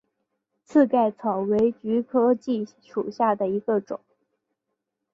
刺盖草为菊科蓟属下的一个种。